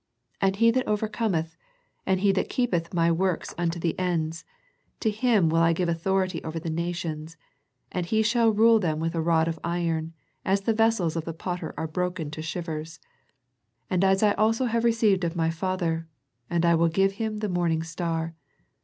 And he that overcometh, and he that keepeth My works unto the end, to him will I give authority over the nations : and he shall rule them with a rod of iron, as the vessels of the potter are broken to shivers ; as I also Lave received of My Father: and I will give him the morning star.